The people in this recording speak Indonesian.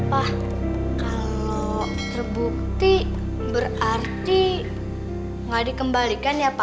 pak kalau terbukti berarti nggak dikembalikan ya pak